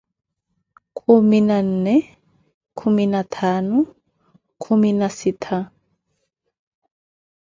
Kumi na nne, kumi na ttaanu, kumi na sittha.